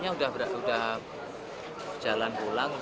sudah berjalan pulang